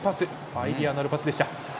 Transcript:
アイデアのあるパスでした。